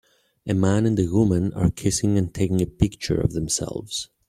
A man and woman are kissing and taking a picture of themselves.